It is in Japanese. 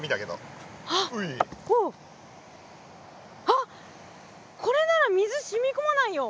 あっこれなら水染み込まないよ。